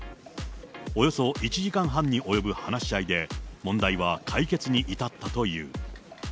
およそ１時間半に及ぶ話し合いで、問題は解決に至ったという。